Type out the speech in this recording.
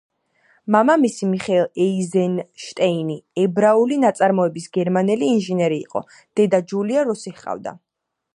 მამამისი, მიხეილ ეიზენშტეინი, ებრაული წარმოშობის გერმანელი ინჟინერი იყო; დედა, ჯულია, რუსი ჰყავდა.